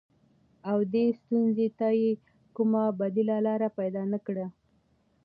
او دې ستونزې ته يې کومه بديله لاره پيدا نه کړه.